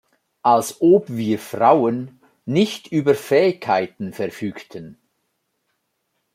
Als ob wir Frauen nicht über Fähigkeiten verfügten.